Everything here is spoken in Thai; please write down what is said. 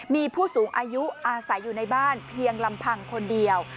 มีผู้สูงอายุอาศัยอยู่ในบ้านเพียงลำพังคนเดียว